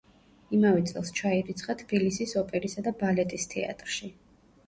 იმავე წელს ჩაირიცხა თბილისის ოპერისა და ბალეტის თეატრში.